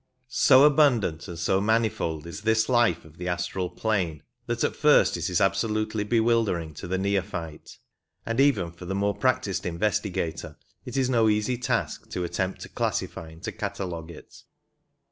So abundant and so manifold is this life of the astral plane that at first it is absolutely bewildering to the neophyte ; and even for the more practised investigator it is no easy task to attempt to classify and to catalogue it.